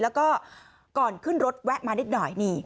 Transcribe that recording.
แล้วก็ก่อนขึ้นรถแวะมานิดหน่อยนี่